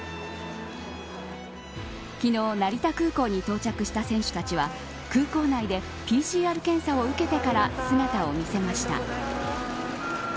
昨日、成田空港に到着した選手たちは空港内でＰＣＲ検査を受けてから姿を見せました。